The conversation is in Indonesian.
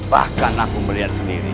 bahkan aku melihat sendiri